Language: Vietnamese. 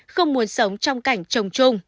không muốn sống trong cảnh chồng chung